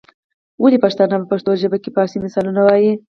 ولي پښتانه په پښتو ژبه کي فارسي مثالونه وايي؟